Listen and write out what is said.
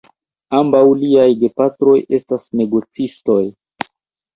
Ambaŭ liaj gepatroj estas negocistoj.